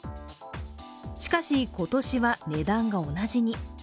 しかし、今年は値段が同じに。